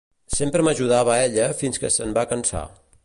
Sempre m'ajudava ella fins que se'n va cansar.